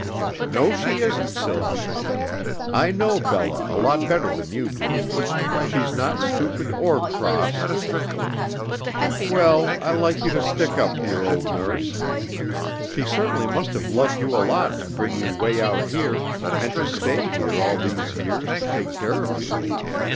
"No, she isn't, Sylvie. I know Bella a lot better than you do. She's not stupid or cross " "Well, I like you to stick up for your old nurse. She certainly must have loved you a lot to bring you way out here and to stay here all these years to take care of you.